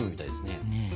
ねえ。